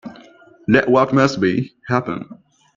Let what must be, happen.